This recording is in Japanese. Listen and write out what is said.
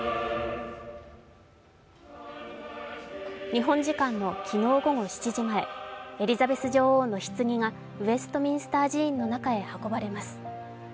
日本時間の昨日午後７時前、エリザベス女王のひつぎがウェストミンスター寺院の中へ運ばれます。